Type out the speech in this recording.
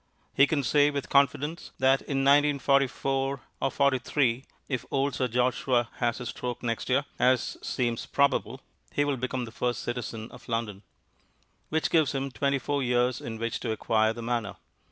He can say with confidence that in 1944 or '43, if old Sir Joshua has his stroke next year, as seems probable he will become the first citizen of London; which gives him twenty four years in which to acquire the manner.